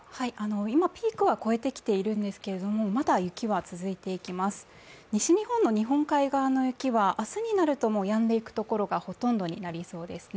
今、ピークは超えてきてはいるんですが、まだ雪は続いて西日本の日本海側の雪は明日になるとやんでいくところがほとんどになりそうですね。